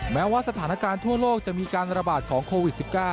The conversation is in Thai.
แม้ว่าสถานการณ์ทั่วโลกจะมีการระบาดของโควิด๑๙